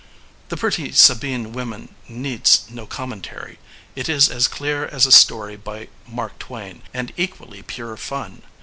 The Pretty Sabine Women needs no commentary. It is as clear as a story by Mark Twain, and equally pure fun.